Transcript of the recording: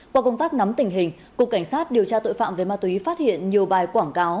qua công tác nắm tình hình cục cảnh sát điều tra tội phạm về ma túy phát hiện nhiều bài quảng cáo